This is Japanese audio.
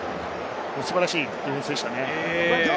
素晴らしいディフェンスでしたね。